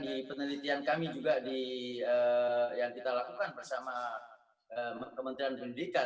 di penelitian kami juga yang kita lakukan bersama kementerian pendidikan